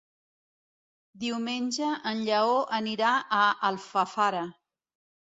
Diumenge en Lleó anirà a Alfafara.